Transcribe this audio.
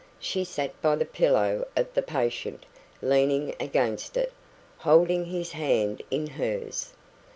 She sat by the pillow of the patient, leaning against it, holding his hand in hers.